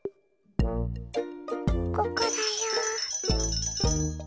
ここだよ。